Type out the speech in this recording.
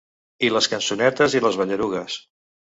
I les cançonetes i les ballarugues.